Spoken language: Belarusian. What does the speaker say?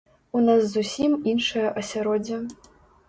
У нас зусім іншае асяроддзе.